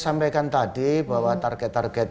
sampaikan tadi bahwa target target